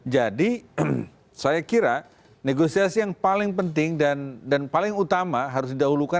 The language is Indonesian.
jadi saya kira negosiasi yang paling penting dan paling utama harus didahulukan